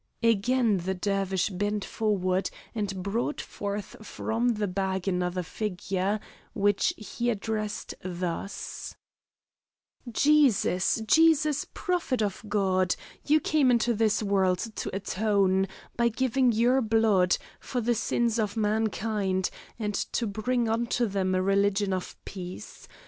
Again the Dervish bent forward and brought forth from the bag another figure, which he addressed thus: "Jesus, Jesus, prophet of God, you came into this world to atone, by giving your blood, for the sins of mankind and to bring unto them a religion of peace.